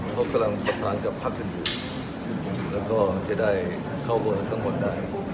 เขากำลังประสานกับภาคขึ้นอื่นแล้วก็จะได้เข้าเบิ้ลทั้งหมดได้